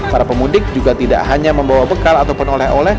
para pemudik juga tidak hanya membawa bekal ataupun oleh oleh